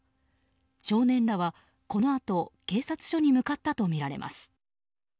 少年らはこのあと警察署に向かったとみられます。